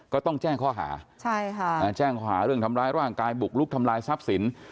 ก็ต้องแจ้งข้อหาแจ้งข้อหาเรื่องทำร้ายร่างกายบุกลุกทำลายทรัพย์สิน